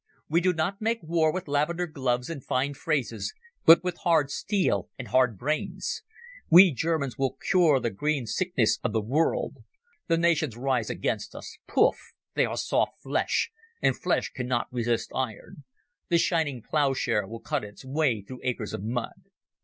We do not make war with lavender gloves and fine phrases, but with hard steel and hard brains. We Germans will cure the green sickness of the world. The nations rise against us. Pouf! They are soft flesh, and flesh cannot resist iron. The shining ploughshare will cut its way through acres of mud."